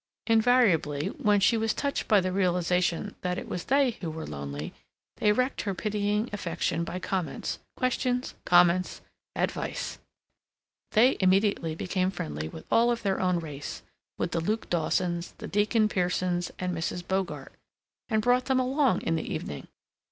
Invariably, whenever she was touched by the realization that it was they who were lonely, they wrecked her pitying affection by comments questions comments advice. They immediately became friendly with all of their own race, with the Luke Dawsons, the Deacon Piersons, and Mrs. Bogart; and brought them along in the evening.